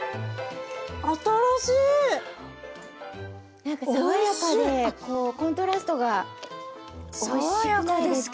なんか爽やかでこうコントラストがおいしくないですか？